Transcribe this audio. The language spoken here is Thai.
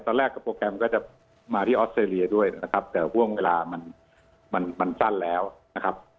ตอนแรกกับโปรแกรมก็จะมาที่ออสเตรเลียด้วยนะครับแต่ห่วงเวลามันมันสั้นแล้วนะครับ